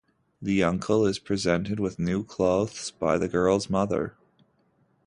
The uncle is presented with new cloths by the girl's mother.